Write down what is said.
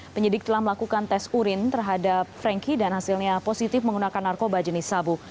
penyidik telah melakukan tes urin terhadap frankie dan hasilnya positif menggunakan narkoba jenis sabu